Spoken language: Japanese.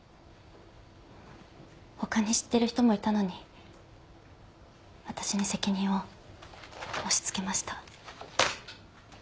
他に知ってる人もいたのに私に責任を押し付けました。